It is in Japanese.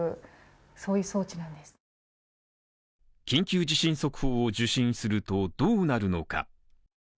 緊急地震速報を受信するとどうなるのか。